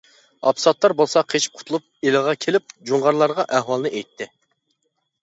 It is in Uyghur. ئابدۇساتتار بولسا قېچىپ قۇتۇلۇپ ئىلىغا كېلىپ جۇڭغارلارغا ئەھۋالنى ئېيتتى.